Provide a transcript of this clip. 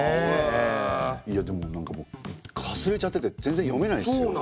いやでもなんかもうかすれちゃってて全然読めないっすよね。